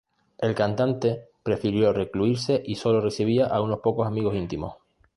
El cantante prefirió recluirse y sólo recibía a unos pocos amigos íntimos.